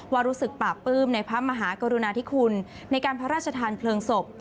ว่ารู้สึกปราบปลื้มในพระมหากรุณาธิคุณในการพระราชทานเพลิงศพ